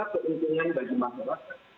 apa keuntungan bagi masyarakat